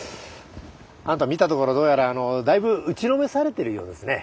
あなた見たところどうやらあのだいぶ打ちのめされてるようですね。